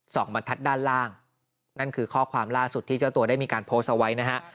บรรทัศน์ด้านล่างนั่นคือข้อความล่าสุดที่เจ้าตัวได้มีการโพสต์เอาไว้นะฮะ